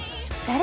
誰？